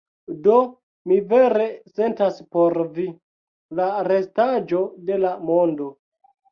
Do mi vere sentas por vi, la restaĵo de la mondo.